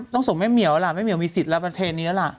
ต้องส่งแม่เหมียวล่ะแม่เหมียวมีสิทธิ์รับประเทศนี้ล่ะ